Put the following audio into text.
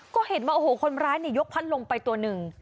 ก็เห็นว่าโอ้โหคนร้ายยกพัดลงไปตัวหนึ่ง